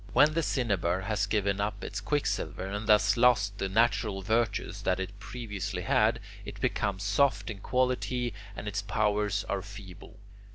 When the cinnabar has given up its quicksilver, and thus lost the natural virtues that it previously had, it becomes soft in quality and its powers are feeble.